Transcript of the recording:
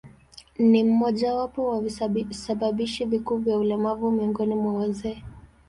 Ni mojawapo ya visababishi vikuu vya ulemavu miongoni mwa wazee.